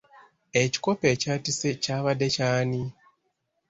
Ekikopo ekyayatise kya badde ky’ani?